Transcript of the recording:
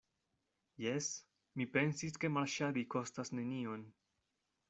Jes, mi pensis, ke marŝadi kostas nenion.